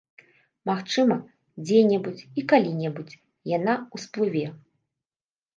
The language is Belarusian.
Магчыма, дзе-небудзь і калі-небудзь яна ўсплыве.